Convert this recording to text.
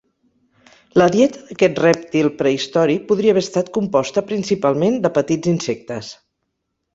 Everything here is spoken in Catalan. La dieta d'aquest rèptil prehistòric podria haver estat composta principalment de petits insectes.